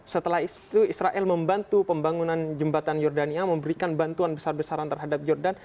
setelah itu israel membantu pembangunan jembatan jordania memberikan bantuan besar besaran terhadap jordan